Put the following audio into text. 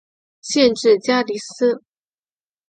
县治加的斯。